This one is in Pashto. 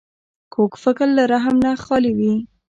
کوږ فکر له رحم نه خالي وي